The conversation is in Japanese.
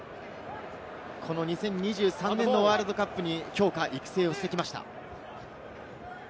この２０２３年のワールドカップに強化・育成をしてきました。